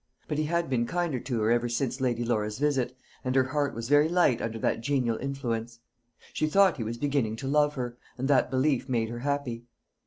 But he had been kinder to her ever since Lady Laura's visit, and her heart was very light under that genial influence. She thought he was beginning to love her, and that belief made her happy.